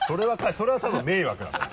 それは多分迷惑なのよ。